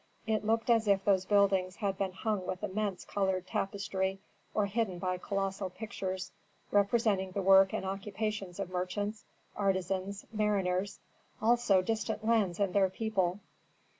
It looked as if those buildings had been hung with immense colored tapestry or hidden by colossal pictures representing the work and occupations of merchants, artisans, mariners, also distant lands and their people.